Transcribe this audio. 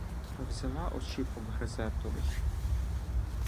Взяла очіпок грезетовий